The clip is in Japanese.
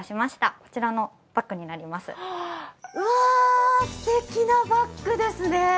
うわあ素敵なバッグですね。